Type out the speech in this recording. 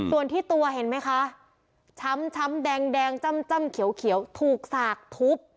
ส่วนที่ตัวเห็นไหมคะช้ำแดงจ้ำเขียวถูกสากทุบ